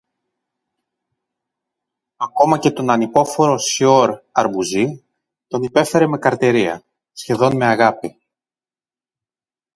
Ακόμα και τον ανυπόφορο σιορ-Αμπρουζή τον υπέφερε με καρτερία, σχεδόν με αγάπη.